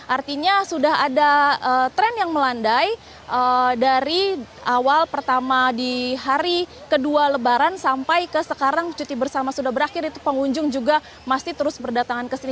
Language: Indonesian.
artinya sudah ada tren yang melandai dari awal pertama di hari kedua lebaran sampai ke sekarang cuti bersama sudah berakhir itu pengunjung juga masih terus berdatangan ke sini